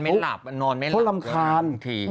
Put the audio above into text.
มันไม่หลับมันนอนไม่หลับเพราะรำคาญ